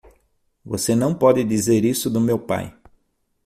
Você não pode dizer isso do meu pai!